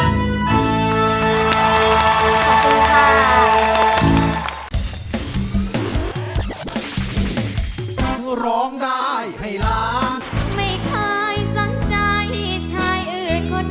รักแต่พี่ด้วยใจเด็ดเดียวรักคนเดียวน้องจึงต้อง